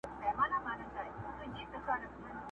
پر ازل مي غم امیر جوړ کړ ته نه وې.!